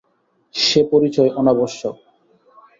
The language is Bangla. সে পরিচয় অনাবশ্যক।